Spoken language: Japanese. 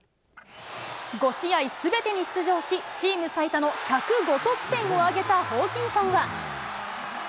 ５試合すべてに出場し、チーム最多の１０５得点を挙げたホーキンソンは。